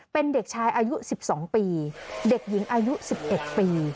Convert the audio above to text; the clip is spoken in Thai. เป็นเด็กชายอายุสิบสองปีเด็กหญิงอายุสิบเอ็ดปี